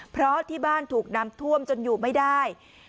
เพราะที่บ้านถูกน้ำท่วมจนอยู่ไม่ได้